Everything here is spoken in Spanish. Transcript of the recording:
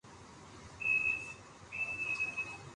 Fue el segundo presidente de Seychelles.